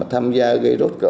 tham gia gây rốt cỡ